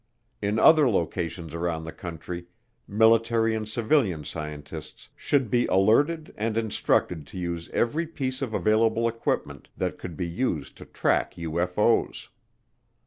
In other locations around the country military and civilian scientists should be alerted and instructed to use every piece of available equipment that could be used to track UFO's.